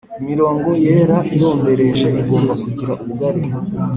imirongo yera irombereje igomba kugira ubugari